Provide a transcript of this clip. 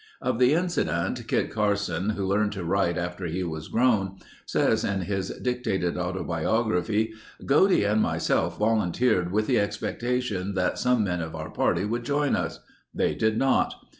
Of the incident Kit Carson, who learned to write after he was grown, says in his dictated autobiography: "Godey and myself volunteered with the expectation that some men of our party would join us. They did not.